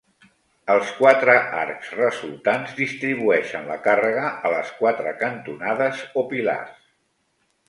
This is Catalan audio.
Els quatre arcs resultants distribueixen la càrrega a les quatre cantonades o pilars.